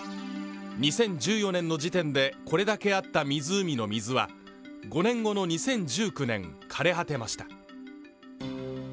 ２０１４年の時点でこれだけあった湖の水は５年後の２０１９年かれ果てました